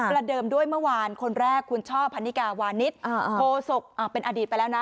เดิมด้วยเมื่อวานคนแรกคุณช่อพันนิกาวานิสโคศกเป็นอดีตไปแล้วนะ